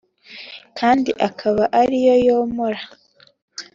kandi akaba ari yo yomora